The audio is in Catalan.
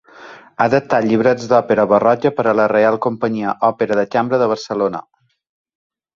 Ha adaptat llibrets d'òpera barroca per a la Reial Companyia Òpera de Cambra de Barcelona.